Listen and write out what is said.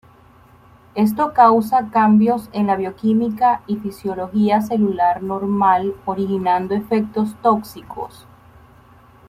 Esto causa cambios en la bioquímica y fisiología celular normal originando efectos tóxicos.